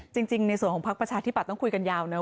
จริงในส่วนของพักประชาธิบัตย์ต้องคุยกันยาวนะ